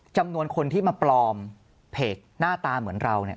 จำนวนคนที่มาปลอมเพจหน้าตาเหมือนเราเนี่ย